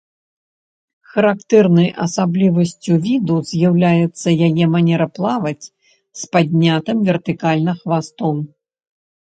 Характэрнай асаблівасцю віду з'яўляецца яе манера плаваць з паднятым вертыкальна хвастом.